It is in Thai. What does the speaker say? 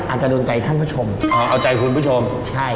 อาจจะโดนใจท่านผู้ชมอ๋อเอาใจคุณผู้ชมใช่